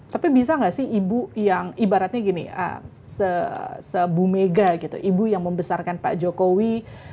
tapi bisa nggak sih ibu yang ibaratnya gini se bumega gitu ibu yang membesarkan pak jokowi